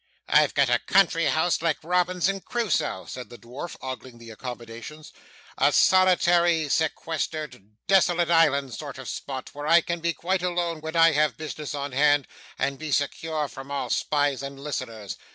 'I've got a country house like Robinson Crusoe,' said the dwarf, ogling the accommodations; 'a solitary, sequestered, desolate island sort of spot, where I can be quite alone when I have business on hand, and be secure from all spies and listeners.